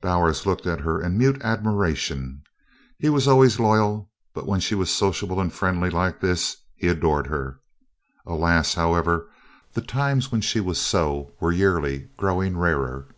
Bowers looked at her in mute admiration. He was always loyal, but when she was sociable and friendly like this he adored her. Alas, however, the times when she was so were yearly growing rarer.